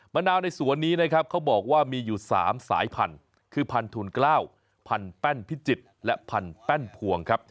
นาวในสวนนี้นะครับเขาบอกว่ามีอยู่๓สายพันธุ์คือพันทุน๙พันแป้นพิจิตรและพันแป้นพวงครับ